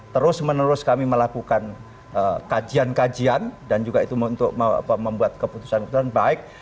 terus menerus kami melakukan kajian kajian dan juga itu untuk membuat keputusan keputusan baik